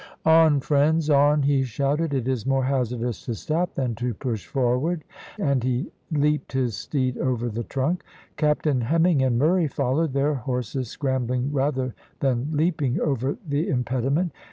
"On, friends, on," he shouted. "It is more hazardous to stop than to push forward." And he leapt his steed over the trunk. Captain Hemming and Murray followed, their horses scrambling rather than leaping over the impediment.